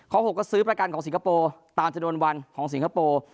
๖ก็ซื้อประกันของสิงคโปร์ตามชนวนวันของสิงคโปร์